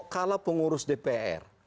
kalau pengurus dpr